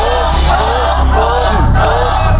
โรคโรคโรคโรค